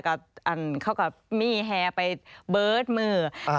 แล้วก็มีแฮไปเบิร์ฐมือ